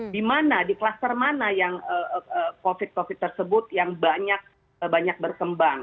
di mana di kluster mana yang covid covid tersebut yang banyak berkembang